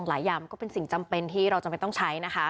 อะไรอย่างมันก็เป็นสิ่งจำเป็นต้องใช้อะ